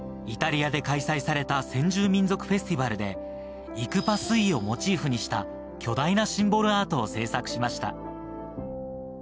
イタリアで開催された先住民族フェスティバルでイクパスイをモチーフにした巨大なシンボルアートを製作しました。